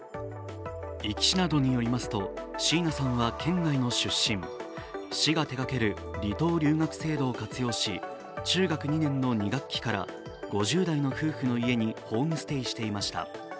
壱岐市などによりますと椎名さんは県外の出身市が手がける離島留学制度を活用し、中学２年の２学期から５０代の夫婦の家にホームステイしていました。